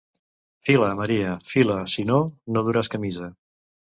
Fila, Maria, fila, si no, no duràs camisa.